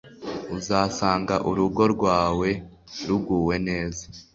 uzasanga urugo rwawe ruguwe neza